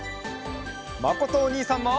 まことおにいさんも！